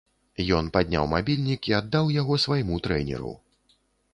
Ён падняў мабільнік і аддаў яго свайму трэнеру.